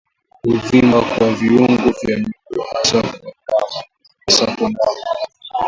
Kuvimba kwa viungio vya miguu hasa kwa ndama